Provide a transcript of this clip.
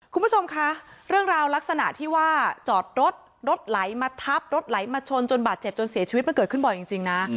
คุณผู้ชมคะเรื่องราวลักษณะที่ว่าจอดรถรถไหลมาทับรถไหลมาชนจนบาดเจ็บจนเสียชีวิตมันเกิดขึ้นบ่อยจริงนะ